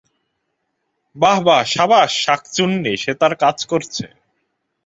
বাহবা, সাবাস, শাঁকচুন্নী! সে তাঁর কাজ করছে।